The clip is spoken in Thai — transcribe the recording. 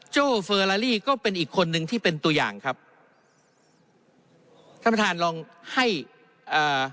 โจ้เฟอร์ลาลี่ก็เป็นอีกคนนึงที่เป็นตัวอย่างครับท่านประธานลองให้เอ่อ